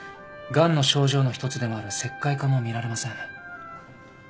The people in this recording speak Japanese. がんの症状の一つでもある石灰化も見られません。